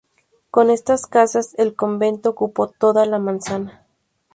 Con estas casas el convento ocupó toda la manzana.